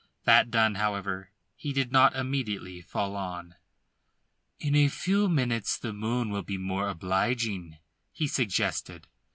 That done, however, he did not immediately fall on. "In a few minutes the moon will be more obliging," he suggested.